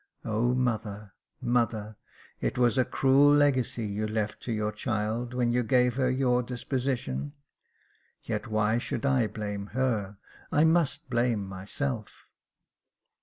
O mother, mother, it was a cruel legacy you left to your child, when you gave her your disposition. Yet why should I blame her ? I must blame myself."